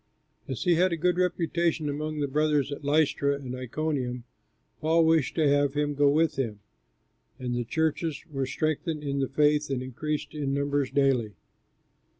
As he had a good reputation among the brothers at Lystra and Iconium, Paul wished to have him go with him. And the churches were strengthened in the faith and increased in numbers daily.